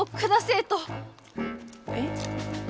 えっ？